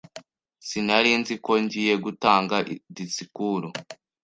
Sinari nzi ko ngiye gutanga disikuru.